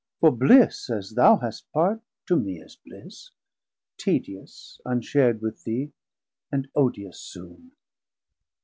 For bliss, as thou hast part, to me is bliss, Tedious, unshar'd with thee, and odious soon.